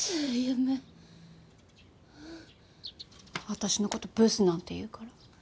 私のことブスなんて言うから。